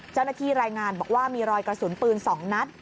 เจ้าหน้าที่รายงานบอกว่ามีรอยกระสุนปืน๒นัด